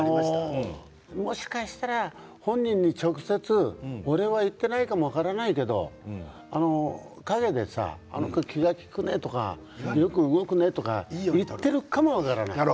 もしかしたら本人に直接お礼は言ってないかもしれないけど陰であの子、気が利くなとかよく動くねとか言っているかも分からない。